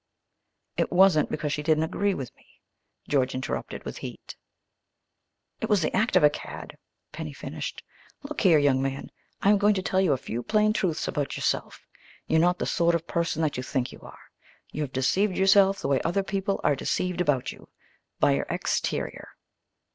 "It wasn't because she didn't agree with me," George interrupted, with heat. "It was the act of a cad," Penny finished. "Look here, young man, I'm going to tell you a few plain truths about yourself. You're not the sort of person that you think you are. You've deceived yourself the way other people are deceived about you by your exterior.